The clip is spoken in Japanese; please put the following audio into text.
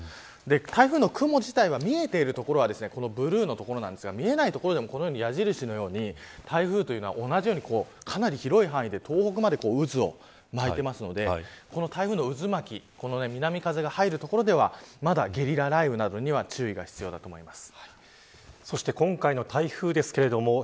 台風の雲自体が見えている所はブルーの所なんですが見えない所でもこのように矢印のように台風は同じように、かなり広い範囲で遠くまで渦を巻いているのでこの台風の渦巻きこの南風が入る所ではまだゲリラ雷雨などには注意が必要だと思います。